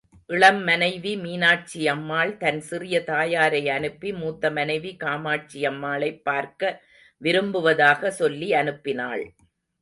இளம் மனைவி மீனாட்சியம்மாள் தன் சிறிய தாயாரை அனுப்பி, மூத்த மனைவி காமாட்சியம்மாளைப் பார்க்க விரும்புவதாக சொல்வி அனுப்பினாள்.